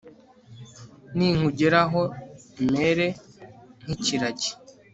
ninkugeraho mere nk'ikiragi